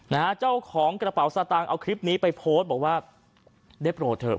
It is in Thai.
นะฮะเจ้าของกระเป๋าสตางค์เอาคลิปนี้ไปโพสต์บอกว่าได้โปรดเถอะ